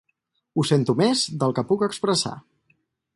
Ho sento més del que puc expressar.